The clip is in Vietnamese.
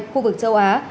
khu vực châu á